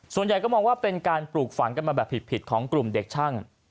ส่วนใหญ่ก็มองว่าเป็นการปลูกฝังกันมาแบบผิดของกลุ่มเด็กช่าง